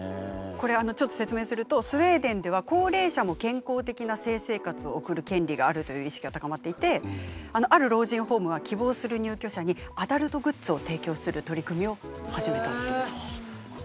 これちょっと説明するとスウェーデンでは高齢者も健康的な性生活を送る権利があるという意識が高まっていてある老人ホームは希望する入居者にアダルトグッズを提供する取り組みを始めたそうです。